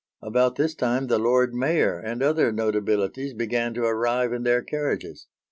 About this time the Lord Mayor and other notabilities began to arrive in their carriages.